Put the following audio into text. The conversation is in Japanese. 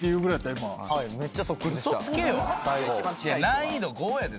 難易度５やで。